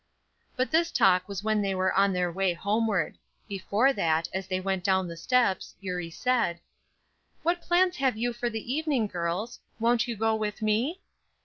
But this talk was when they were on their way homeward. Before that, as they went down the steps, Eurie said: "What plans have you for the evening, girls? Won't you go with me?"